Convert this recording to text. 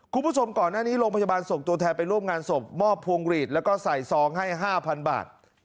คุณผู้ชมก่อนหน้านี้โรงพยาบาลส่งตัวแทนไปร่วมงานศพมอบพวงหลีดแล้วก็ใส่ซองให้๕๐๐บาท